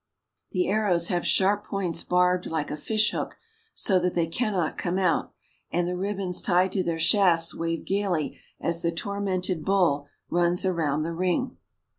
The arrows have sharp points barbed like a fishhook, so that they cannot come out, and the rib bons tied to their shafts wave gayly as the tormented bull runs around the ring.